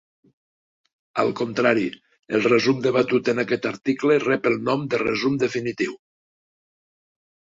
Al contrari, el resum debatut en aquest article rep el nom de "resum definitiu".